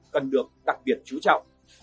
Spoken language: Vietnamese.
cần được đặc biệt chú trọng